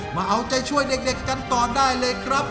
มาเอาใจช่วยเด็กกันต่อได้เลยครับ